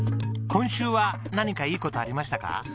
今週は何かいい事ありましたか？